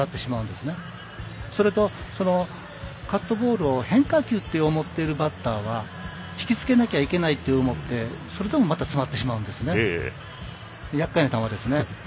そうすると、カットボールを変化球と思っているバッターは引き付けなきゃいけないと思ってそれでも詰まってしまうのでやっかいな球ですね。